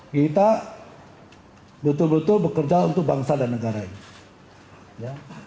kita betul betul bekerja untuk bangsa dan negara ini